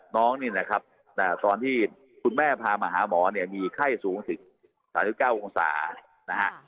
น้องนี่นะครับตอนที่คุณแม่พามาหาหมอเนี่ยมีไข้สูง๑๓๙องศานะฮะ